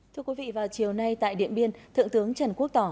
thưa quý vị vào chiều nay tại điện biên thượng tướng trần quốc tỏ